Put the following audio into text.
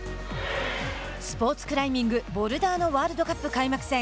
スポーツクライミングボルダーのワールドカップ開幕戦。